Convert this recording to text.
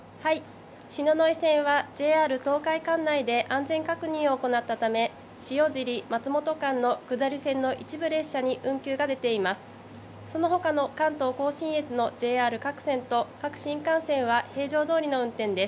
篠ノ井線はＪＲ東海管内で安全確認を行ったため、塩尻・松本間の下り線の一部列車に運休が出ています。